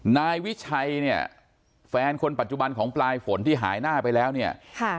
นายวิชัยเนี่ยแฟนคนปัจจุบันของปลายฝนที่หายหน้าไปแล้วเนี่ยค่ะ